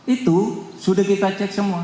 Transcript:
itu sudah kita cek semua